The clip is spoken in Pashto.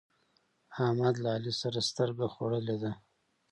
احمد له علي سره سترګه خوړلې ده.